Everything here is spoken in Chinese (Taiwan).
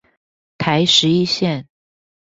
台十一線